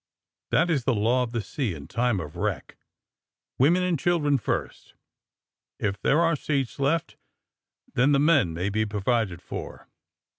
'^ That is the law of the sea in time of wreck. '^ Women and children first!'' If there are seats left then the men may be provided for.